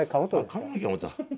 髪の毛や思てた。